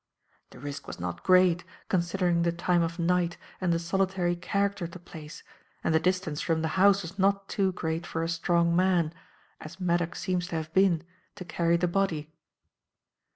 The risk was not great, considering the time of night and the solitary character of the place, and the distance from the house was not too great for a strong man, as Maddock seems to have been, to carry the body.